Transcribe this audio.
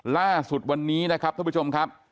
ล่าสุดวันนี้นะครับท่านผู้ชมครับ